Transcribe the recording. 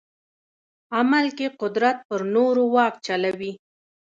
عمل کې قدرت پر نورو واک چلوي.